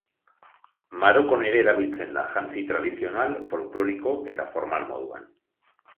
Marokon ere erabiltzen da, jantzi tradizional, folkloriko eta formal moduan.